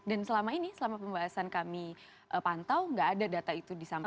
dan selama ini selama pembahasan kami pantau gak ada data itu disampaikan